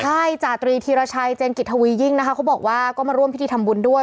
ใช่จาตรีธีรชัยเจนกิจทวียิ่งนะคะเขาบอกว่าก็มาร่วมพิธีทำบุญด้วย